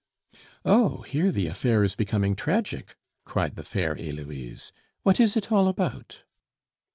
"Oh! here, the affair is becoming tragic," cried the fair Heloise. "What is it all about?"